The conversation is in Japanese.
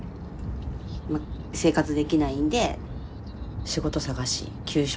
まあ生活できないんで仕事探し求職。